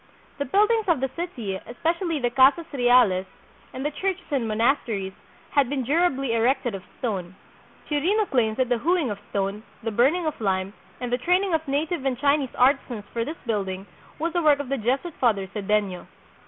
The buildings of the city, especially the Casas Reales and the churches and monasteries, had been durably erected of stone. Chirino claims that the hewing of stone, the burning of lime, and THREE HUNDRED YEARS AGO: 179 the training of native and Chinese artisans for this build ing, were the work of the Jesuit father, Sedefio.